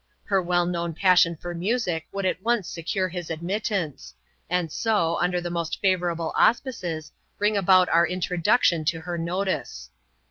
Her well known passion for music would at secure his admittance; and so, under the most faTon auspices, bring about our introduction to her notice.